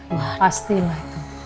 iya pasti lah